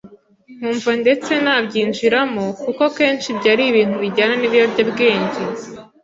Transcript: nkumva ndetse na byinjiramo kuko kenshi ibyo ari ibintu bijyana n’ibiyobyabwenge .